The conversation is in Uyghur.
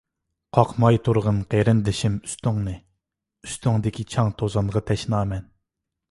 قاقماي تۇرغىن قېرىندىشىم ئۈستۈڭنى، ئۈستۈڭدىكى چاڭ-توزانغا تەشنامەن.